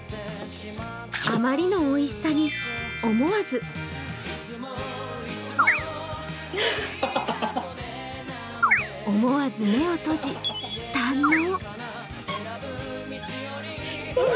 あまりのおいしさに思わず思わず目を閉じ、堪能。